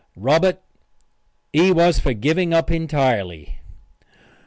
Robert, he was for giving up entirely.